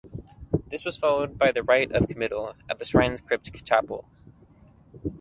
This was followed by the Rite of Committal at the shrine's crypt chapel.